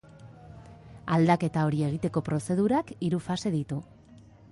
Aldaketa hori egiteko prozedurak hiru fase ditu.